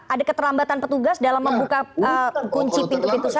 ada keterlambatan petugas dalam membuka kunci pintu sel